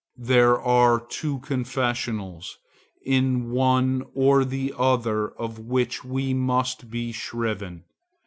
There are two confessionals, in one or the other of which we must be shriven.